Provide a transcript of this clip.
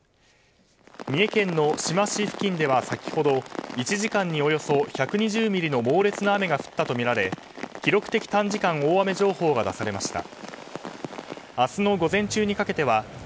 三重県の志摩市付近では先ほど１時間におよそ１２０ミリの猛烈な雨が降ったとみられ記録的短時間大雨情報が出されました。